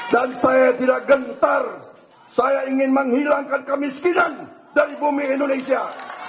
dan saya tidak gentar saya ingin menghilangkan kemiskinan dari bumi indonesia